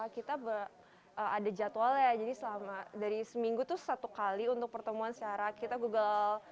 kita ada jadwalnya jadi selama dari seminggu tuh satu kali untuk pertemuan secara kita google